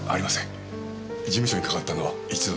事務所にかかったのは一度だけです。